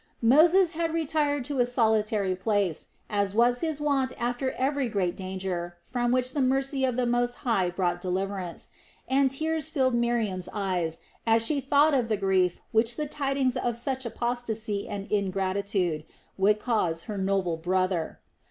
Moses had retired to a solitary place, as was his wont after every great danger from which the mercy of the Most High brought deliverance, and tears filled Miriam's eyes as she thought of the grief which the tidings of such apostasy and ingratitude would cause her noble brother.